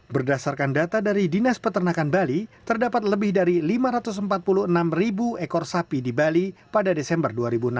berdasarkan data dari dinas peternakan bali terdapat lebih dari lima ratus empat puluh enam ribu ekor sapi di bali pada desember dua ribu enam belas